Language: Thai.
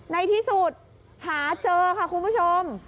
ในที่สุดหาเจอค่ะคุณผู้ชม